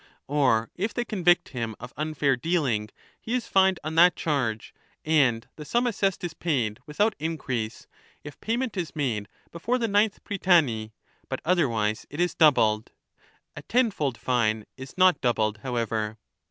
Or if they convict him of unfair dealing, he is fined on that charge, and the sum assessed is paid without increase, if pay ment is made before the ninth prytany, but otherwise it is doubled. A ten fold fine is not doubled, however.